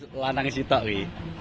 lalu lalangnya si takwi